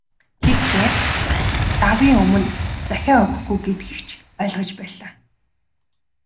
Тэгэхээр, давын өмнө захиа өгөхгүй гэдгийг ч ойлгож байлаа.